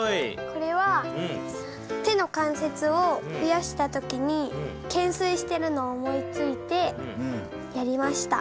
これは手の関節をふやした時に懸垂しているのを思いついてやりました。